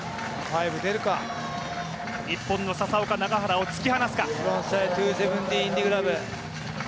日本の笹岡、永原を突き放すか。